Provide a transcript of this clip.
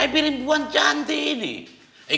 piring buang cantik ini